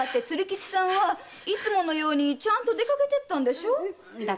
鶴吉さんはいつものようにちゃんと出かけていったんでしょう？